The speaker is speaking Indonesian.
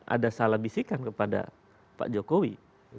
ada salah bisikan kepada pak jokowi